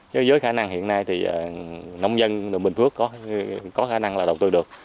chứ với khả năng hiện nay thì nông dân bình phước có khả năng là đầu tư được